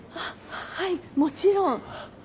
ははいもちろん。